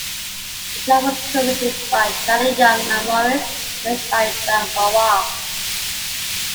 The track was co-written by Johnny Young and Morris and arranged by John Farrar.